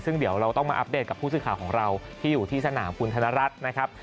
ซึ่งเดี๋ยวเราต้องมาอัปเดตกับผู้สื่อข่าวของเราที่อยู่ที่สนามคุณธนรัฐนะครับ